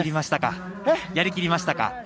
やりきりましたか。